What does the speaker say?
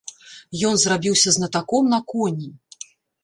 Ён зрабіўся знатаком на коней.